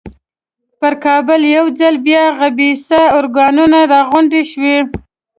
پر کابل یو ځل بیا خبیثه ارواګانې را غونډې شوې.